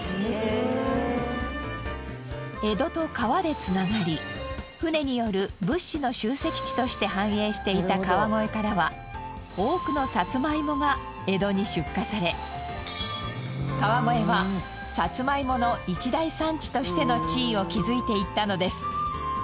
江戸と川でつながり船による物資の集積地として繁栄していた川越からは多くのさつまいもが江戸に出荷され川越はさつまいもの一大産地としての地位を築いていったのです。